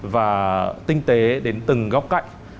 và tinh tế đến từng góc cạnh